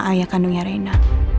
ayah kandungnya rena